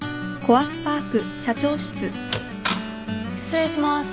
失礼します。